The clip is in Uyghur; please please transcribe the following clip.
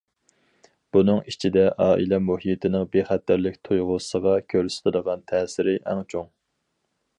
بۇنىڭ ئىچىدە ئائىلە مۇھىتىنىڭ بىخەتەرلىك تۇيغۇسىغا كۆرسىتىدىغان تەسىرى ئەڭ چوڭ.